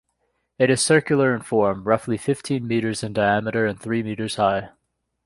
It is circular in form, roughly fifteen metres in diameter and three metres high.